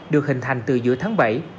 được hình thành từ giữa tháng bảy